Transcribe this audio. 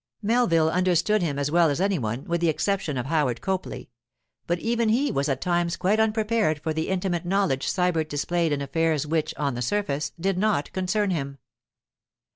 Melville understood him as well as any one, with the exception of Howard Copley; but even he was at times quite unprepared for the intimate knowledge Sybert displayed in affairs which, on the surface, did not concern him.